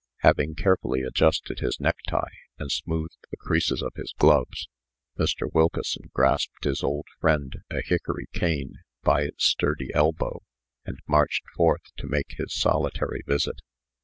Having carefully adjusted his necktie, and smoothed the creases of his gloves, Mr. Wilkeson grasped his old friend, a hickory cane, by its sturdy elbow, and marched forth to make his solitary visit.